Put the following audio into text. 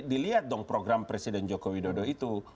dilihat dong program presiden joko widodo itu